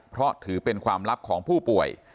เพราะถือเป็นความลับของผู้ป่วย